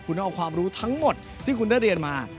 นอกจากความรู้ทั้งหมดที่คุณได้เรียนมา